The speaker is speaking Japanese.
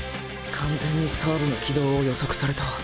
完全にサーブの軌道を予測された。